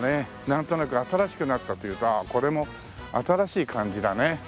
なんとなく新しくなったというかこれも新しい感じだね。